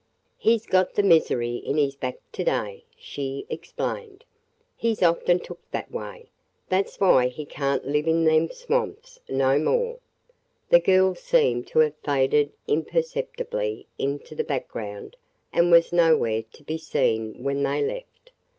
"He 's got the misery in his back to day," she explained. "He 's often took that way. That 's why he can't live in them swamps no more." The girl seemed to have faded imperceptibly into the background and was nowhere to be seen when they left.